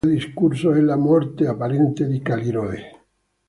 Il secondo episodio più discusso è la morte apparente di Calliroe.